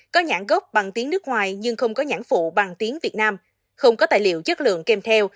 có nhãn gốc bằng tiếng nước ngoài nhưng không có nhãn phụ bằng tiếng việt nam không có tài liệu chất lượng kèm theo